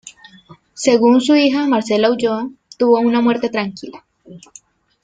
Según su hija Marcela Ulloa, tuvo una muerte tranquila.